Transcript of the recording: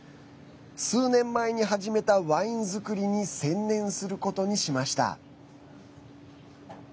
数年前に始めたワイン造りに専念することにしました。